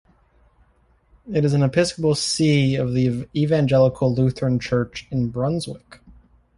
It is an episcopal see of the Evangelical Lutheran Church in Brunswick.